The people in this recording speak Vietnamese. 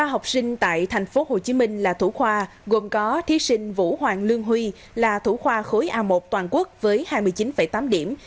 ba học sinh tại thành phố hồ chí minh là thủ khoa gồm có thí sinh vũ hoàng lương huy là thủ khoa khối a một toàn quốc với hai mươi chín tám điểm